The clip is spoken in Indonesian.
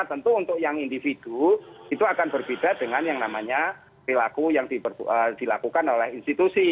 tentu untuk yang individu itu akan berbeda dengan yang namanya perilaku yang dilakukan oleh institusi